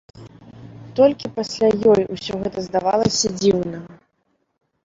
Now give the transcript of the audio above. Толькі пасля ёй усё гэта здавалася дзіўным.